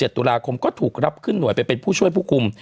ตุลาคมก็ถูกรับขึ้นหน่วยไปเป็นผู้ช่วยผู้คุม